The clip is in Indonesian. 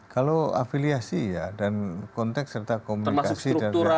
kalau afiliasi ya dan konteks serta komunikasi dari anda di sana